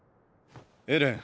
エレン。